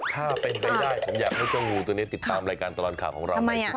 ถ้าเป็นไปได้ผมอยากให้เจ้างูตัวนี้ติดตามรายการตลอดข่าวของเรา